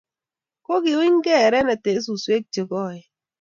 kokiunygei erene eng' suswek che koen.